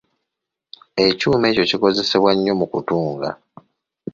Ekyuma ekyo kikozesebwa nnyo mu kutunga.